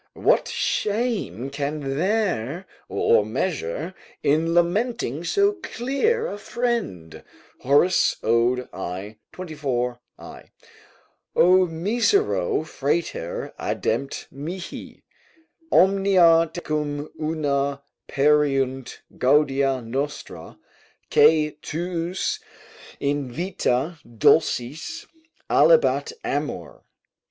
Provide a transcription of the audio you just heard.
["What shame can there, or measure, in lamenting so dear a friend?" Horace, Ode, i. 24, I.] "O misero frater adempte mihi! Omnia tecum una perierunt gaudia nostra, Quae tuus in vita dulcis alebat amor.